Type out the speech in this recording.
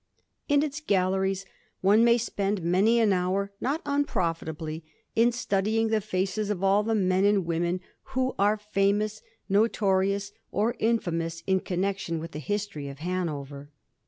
In its galleries one may spend many an hour, not un profitably, in studying the faces of all the men and women who are famous, notorious, or infamous in connection with the history of Hanover.